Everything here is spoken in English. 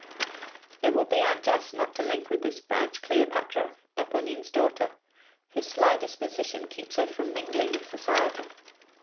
It would be unjust not to link with this branch Cleopatra, Eponine’s daughter, whose shy disposition keeps her from mingling in society.